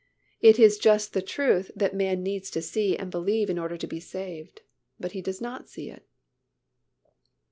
It is just the truth the man needs to see and believe in order to be saved, but he does not see it.